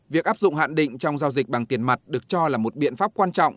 việc áp dụng hạn định trong giao dịch bằng tiền mặt được cho là một biện pháp quan trọng